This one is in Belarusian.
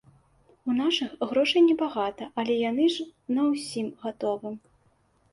У нашых грошай небагата, але яны ж на ўсім гатовым.